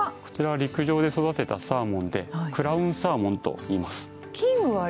こちらは陸上で育てたサーモンでクラウンサーモンといいます。